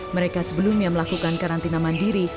mereka sebelumnya melakukan karantina mandiri